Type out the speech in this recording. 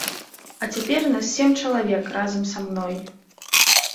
А цяпер нас сем чалавек разам са мной.